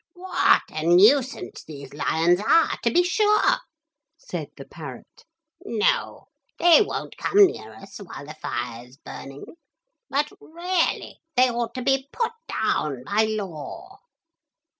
'What a nuisance these lions are to be sure,' said the parrot. 'No, they won't come near us while the fire's burning, but really, they ought to be put down by law.'